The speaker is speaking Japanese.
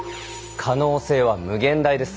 可能性は無限大です。